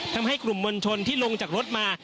ทำให้กลุ่มมวลชนที่ลงจากรถมา